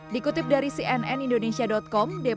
dikutip dari cnn indonesia com